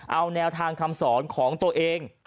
เอาแนวทางคำสอนของตัวเอง